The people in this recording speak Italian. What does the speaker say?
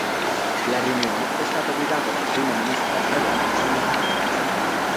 La riunione è stata guidata dal Primo Ministro australiano Tony Abbott.